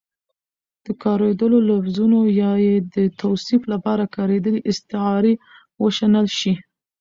د کارېدلو لفظونو يا يې د توصيف لپاره کارېدلې استعارې وشنل شي